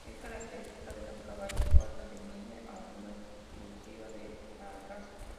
Es característica de los caballos Cuarto de milla aunque no exclusiva de la raza.